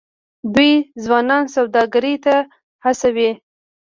دوی ځوانان سوداګرۍ ته هڅوي.